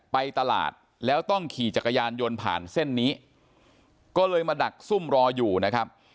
ไปตลาดแล้วต้องขี่จักรยานยนต์ผ่านเส้นนี้ก็เลยมาดักซุ่มรออยู่นะครับ